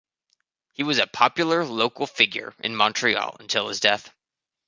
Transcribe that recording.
He was a popular local figure in Montreal until his death.